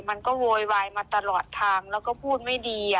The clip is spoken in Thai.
มันก็โวยวายมาตลอดทางแล้วก็พูดไม่ดีอ่ะ